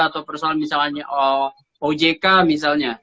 atau persoalan misalnya ojk misalnya